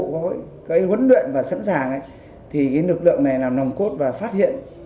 có được huấn luyện và sẵn sàng thì lực lượng này làm nồng cốt và phát hiện